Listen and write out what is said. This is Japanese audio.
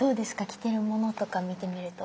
着てるものとか見てみると。